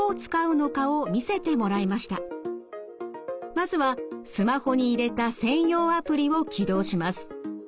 まずはスマホに入れた専用アプリを起動します。